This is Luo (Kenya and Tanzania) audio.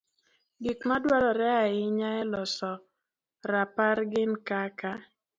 Gik ma dwarore ahinya e loso rapar gin kaka: